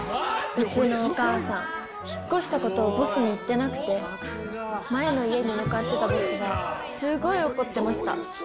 うちのお母さん、引っ越したことをボスに言ってなくて、前の家に向かってたボスは、すごい怒ってました。